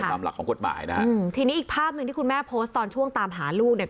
ตามหลักของกฎหมายนะฮะอืมทีนี้อีกภาพหนึ่งที่คุณแม่โพสต์ตอนช่วงตามหาลูกเนี่ย